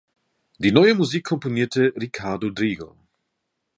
Die neue Musik komponierte Riccardo Drigo.